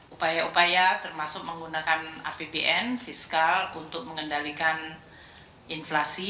upaya upaya termasuk menggunakan apbn fiskal untuk mengendalikan inflasi